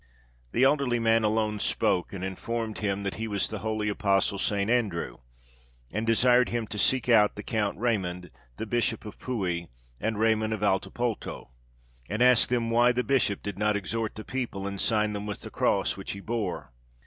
The elderly man alone spoke, and informed him that he was the holy apostle St. Andrew, and desired him to seek out the Count Raymond, the Bishop of Puy, and Raymond of Altopulto, and ask them why the bishop did not exhort the people, and sign them with the cross which he bore.